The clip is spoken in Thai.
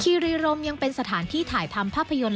ครีรมยังเป็นสถานที่ถ่ายทำภาพยนตร์